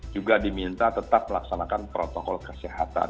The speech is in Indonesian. juga diminta tetap melaksanakan protokol kesehatan